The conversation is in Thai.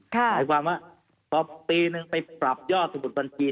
หมายความว่าพอปีนึงไปปรับยอดสมุดบัญชี